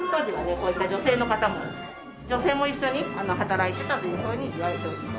こういった女性の方も女性も一緒に働いてたというふうにいわれております。